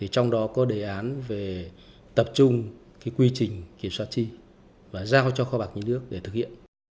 trong đó có đề án về tập trung quy trình kiểm soát chi và giao cho kho bạc nhà nước để thực hiện